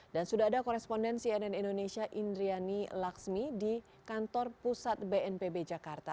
dan sudah ada koresponden cnn indonesia indriani laksmi di kantor pusat bnpb jakarta